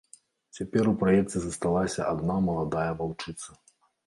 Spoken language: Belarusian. Цяпер у праекце засталася адна маладая ваўчыца.